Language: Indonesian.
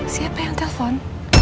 siapa yang telpon